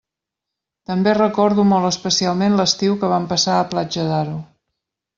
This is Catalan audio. També recordo molt especialment l'estiu que vam passar a Platja d'Aro.